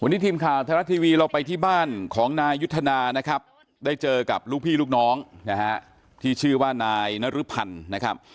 วันนี้ทีมข่าวไทยรัฐทีวีเราไปที่บ้านของนายยุทธนานะครับได้เจอกับลูกพี่ลูกน้องนะฮะที่ชื่อว่านายนรพันธ์นะครับ